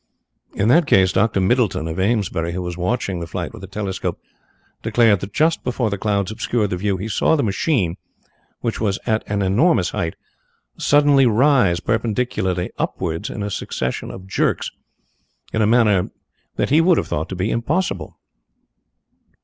In that case, Dr. Middleton, of Amesbury, who was watching the flight with a telescope, declares that just before the clouds obscured the view he saw the machine, which was at an enormous height, suddenly rise perpendicularly upwards in a succession of jerks in a manner that he would have thought to be impossible.